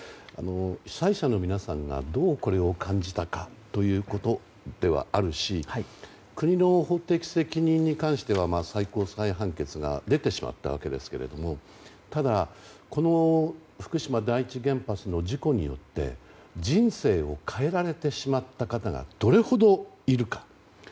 被災者の皆さんがどう、これを感じたかということであるし国の法的責任に関しては最高裁判決が出てしまったわけですけれどもただこの福島第一原発の事故によって人生を変えられてしまった方がどれほどいるか。